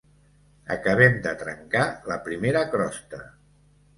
Acabem de trencar la primera crosta.